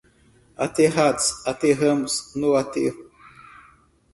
Aterrados aterramos no aterro.